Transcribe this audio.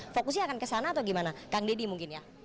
fokusnya akan kesana atau gimana kang deddy mungkin ya